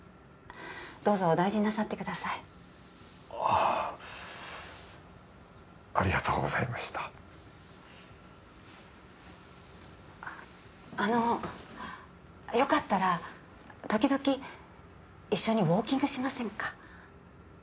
どうぞお大事になさってくださいああありがとうございましたあのよかったら時々一緒にウォーキングしませんか？